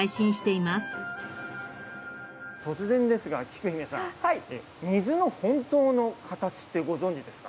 突然ですがきく姫さん水の本当の形ってご存じですか？